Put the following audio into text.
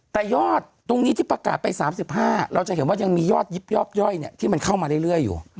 แต่ยอดตรงนี้ที่ประกาศไป๓๕เราจะเห็นว่ายังมียอดยิบยอบย่อยที่มันเข้ามาเรื่อยอยู่